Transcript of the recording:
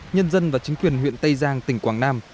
nhân dân và chính quyền huyện tây giang tỉnh quảng nam